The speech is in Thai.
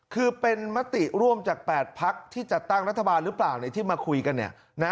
คือเป็นมติร่วมจาก๘พักที่จัดตั้งรัฐบาลหรือเปล่าในที่มาคุยกันเนี่ยนะ